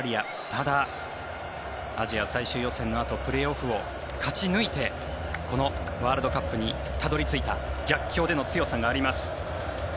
ただ、アジア最終予選のあとプレーオフを勝ち抜いてこのワールドカップにたどり着いた逆境での強さがあります。